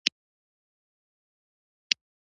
وزې خپل رمه پېژني